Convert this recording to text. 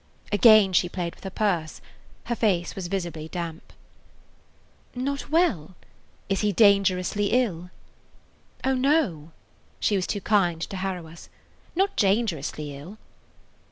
Again she played with her purse. Her face was visibly damp. "Not well? Is he dangerously ill?" [Page 23] "Oh, no." She was too kind to harrow us. "Not dangerously ill."